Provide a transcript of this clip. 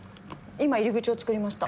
今入り口を作りました。